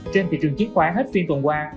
trên thị trường chiếm khoá hết phiên tuần qua